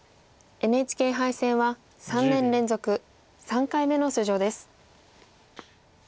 ＮＨＫ杯戦は３年連続３回目の出場です。